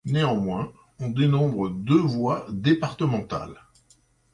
Néanmoins, on dénombre deux voies départementales.